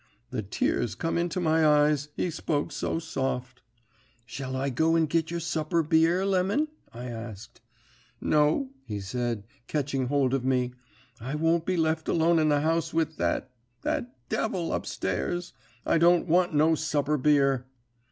"The tears come into my eyes, he spoke so soft. "'Shall I go and git your supper beer, Lemon?' I asked. "'No,' he said, ketching hold of me. 'I won't be left alone in the house with that that devil up stairs! I don't want no supper beer.'